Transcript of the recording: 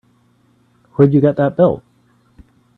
Where'd you get that belt?